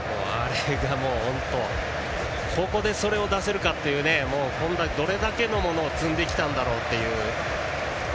本当、ここでそれを出せるかというねどれだけのものを積んできたんだろうという。